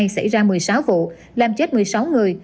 xảy ra một mươi sáu vụ làm chết một mươi sáu người